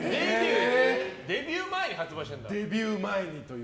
デビュー前に発売したんだ。